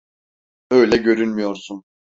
Öyle görünmüyorsun.